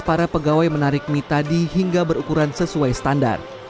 para pegawai menarik mie tadi hingga berukuran sesuai standar